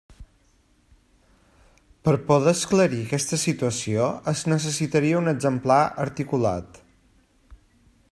Per poder esclarir aquesta situació es necessitaria un exemplar articulat.